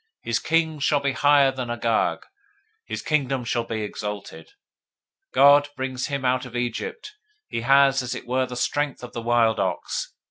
His king shall be higher than Agag. His kingdom shall be exalted. 024:008 God brings him out of Egypt. He has as it were the strength of the wild ox.